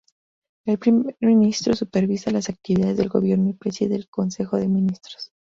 El primer ministro supervisa las actividades del gobierno y preside el Consejo de Ministros.